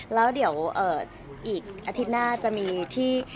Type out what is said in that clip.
แล้วเดี๋ยวอีกอาทิตย์หน้าจะมีที่